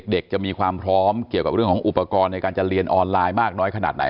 เด็กจะมีความพร้อมเกี่ยวกับเรื่องของอุปกรณ์ในการจะเรียนออนไลน์มากน้อยขนาดไหน